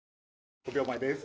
５秒前です。